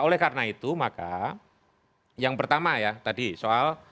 oleh karena itu maka yang pertama ya tadi soal